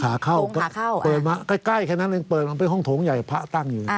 ขาเข้าก็เข้าเปิดมาใกล้แค่นั้นเองเปิดมาเป็นห้องโถงใหญ่พระตั้งอยู่